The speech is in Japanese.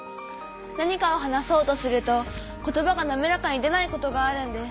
何かを話そうとすると言葉がなめらかに出ないことがあるんです。